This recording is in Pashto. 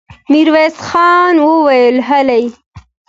ميرويس خان وويل: هلئ!